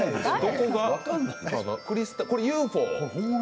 これ、ＵＦＯ？